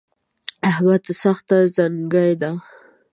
احمد سخته زڼکای ده